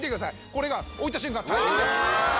これが置いた瞬間大変です